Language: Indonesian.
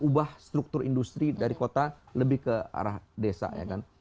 ubah struktur industri dari kota lebih ke arah desa ya kan